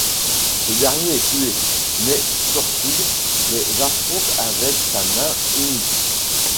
Ce dernier est tué, mais Khorshid les affronte avec sa main unique.